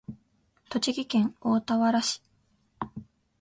栃木県大田原市